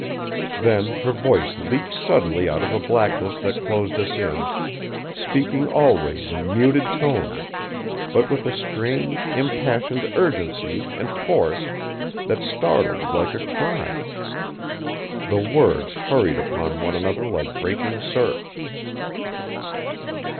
Then her voice leaped suddenly out of the blackness that closed us in, speaking always in muted tones, but with a strange, impassioned urgency and force that startled like a cry. The words hurried upon one another like breaking surf.